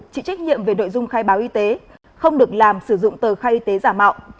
chịu trách nhiệm về nội dung khai báo y tế không được làm sử dụng tờ khai y tế giả mạo